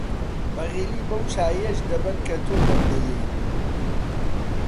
بەغیلی بەو چایییەش دەبەن کە تۆ دەمدەیەی!